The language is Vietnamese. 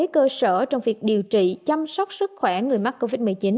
cơ sở trong việc điều trị chăm sóc sức khỏe người mắc covid một mươi chín